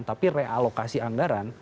tapi realokasi anggaran